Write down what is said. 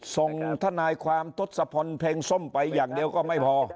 ส่งทนายความทศพลเพ็งส้มไปอย่างเดียวก็ไม่พอ